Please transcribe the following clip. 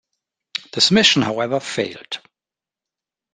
This mission, however, failed.